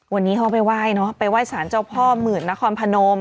วันนี้เขาไปไหว้เนอะไปไหว้สารเจ้าพ่อหมื่นนครพนม